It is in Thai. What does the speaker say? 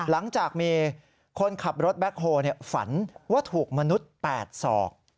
หลังจากมีคนขับรถแบ็คโฮฝันว่าถูกมนุษย์๘ศอก